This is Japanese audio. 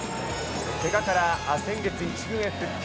けがから先月、１軍へ復帰。